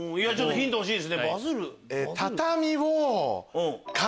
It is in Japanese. ヒント欲しいですね。